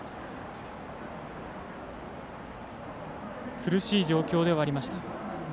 苦しい状況ではありました。